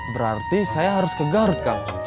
berarti saya harus ke garut kang